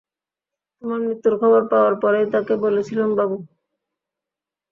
তোমার মৃত্যুর খবর পাওয়ার পরেই তাকে বলেছিলাম, বাবু।